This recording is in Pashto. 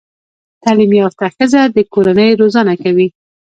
تعليم يافته ښځه د کورنۍ روزانه کوي